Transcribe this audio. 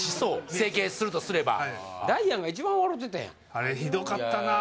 整形するとすればダイアンが一番笑てたやんあれひどかったなあ